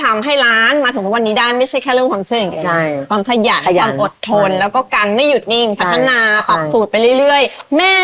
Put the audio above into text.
มันมีของความเชื่อ